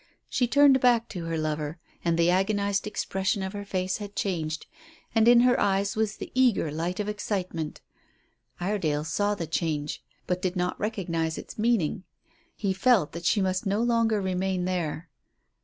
She turned back to her lover, and the agonized expression of her face had changed, and in her eyes was the eager light of excitement. Iredale saw the change, but did not recognize its meaning. He felt that she must no longer remain there.